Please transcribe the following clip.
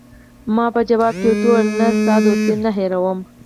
ما په ځواب کې ورته وویل: نه، ستا دوستي نه هیروم.